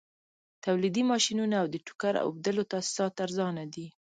تولیدي ماشینونه او د ټوکر اوبدلو تاسیسات ارزانه دي